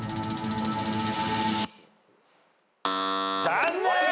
残念！